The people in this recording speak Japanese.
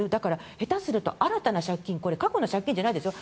下手すると新たな借金過去の借金じゃないですよ